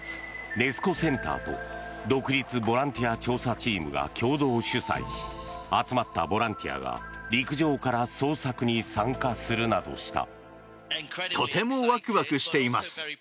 ネス湖センターと独立ボランティア調査チームが共同主催し集まったボランティアが陸上から捜索に参加するなどした。